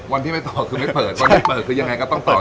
วันที่ไม่ต่อคือไม่เปิดวันที่เปิดคือยังไงก็ต้องต่อ